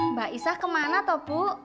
mbak isah kemana tuh puk